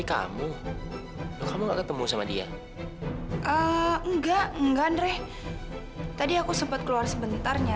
sampai jumpa di video selanjutnya